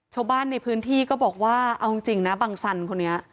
ชาวบ้านในพื้นที่ก็บอกว่าเอาจริงนะบังสันคนนี้